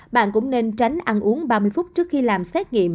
bạn cũng nên tránh ăn uống ba mươi phút trước khi làm xét nghiệm